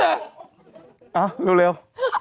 เอ้าเร็ว